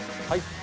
はい